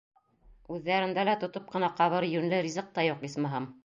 Үҙҙәрендә лә тотоп ҡына ҡабыр йүнле ризыҡ та юҡ, исмаһам.